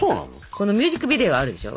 このミュージックビデオあるでしょ。